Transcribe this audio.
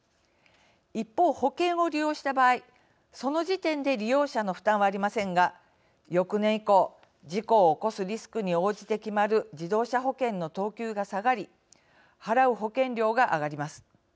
一方、保険を利用した場合その時点で利用者の負担はありませんが翌年以降、事故を起こすリスクに応じて決まる自動車保険の等級が下がり払う保険料が上がります。